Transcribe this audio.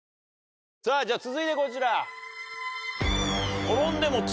さぁじゃ続いてこちら。